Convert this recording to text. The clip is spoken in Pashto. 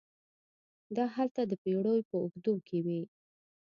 دا هلته د پېړیو په اوږدو کې وې.